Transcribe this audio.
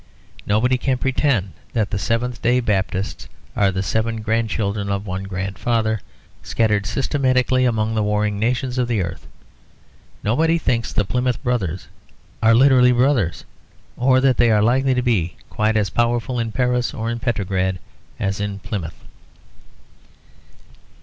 Nobody can pretend that the Seventh Day Baptists are the seven grandchildren of one grandfather, scattered systematically among the warring nations of the earth. Nobody thinks the Plymouth Brothers are literally brothers, or that they are likely to be quite as powerful in Paris or in Petrograd as in Plymouth.